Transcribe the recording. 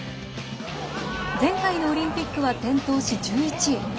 前回のオリンピックは転倒し１１位。